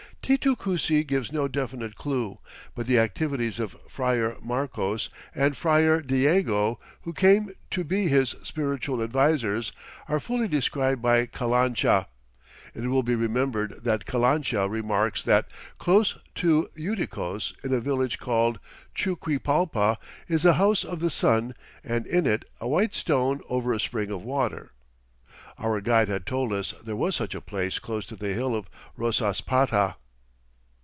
Titu Cusi gives no definite clue, but the activities of Friar Marcos and Friar Diego, who came to be his spiritual advisers, are fully described by Calancha. It will be remembered that Calancha remarks that "close to Uiticos in a village called Chuquipalpa, is a House of the Sun and in it a white stone over a spring of water." Our guide had told us there was such a place close to the hill of Rosaspata.